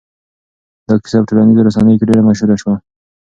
دا کيسه په ټولنيزو رسنيو کې ډېره مشهوره شوه.